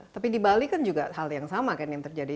tapi di bali kan juga hal yang sama kan yang terjadi